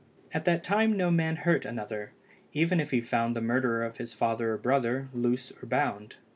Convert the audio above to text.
At that time no man hurt another, even if he found the murderer of his father or brother, loose or bound.